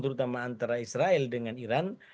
terutama antara israel dengan iran